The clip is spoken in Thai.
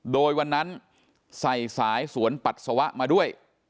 โดยวันนั้นใส่สายสวนปัสสาวะมาด้วย